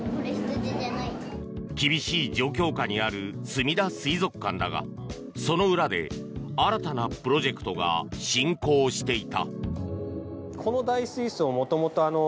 厳しい状況下にあるすみだ水族館だがその裏で新たなプロジェクトが進行していた。